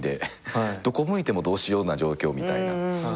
どこ向いてもどうしような状況みたいな。